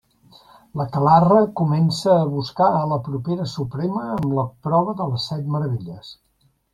L’aquelarre comença a buscar a la propera Suprema amb la prova de les Set Meravelles.